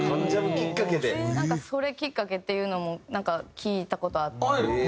それきっかけっていうのも聞いた事あって。